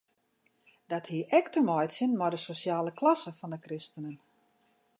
Dat hie ek te meitsjen mei de sosjale klasse fan de kristenen.